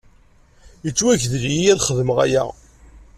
Yettwagdel-iyi ad xedmeɣ aya.